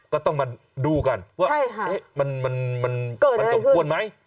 ก็ต้องมาดูกันว่ามันกล้องปวดไหม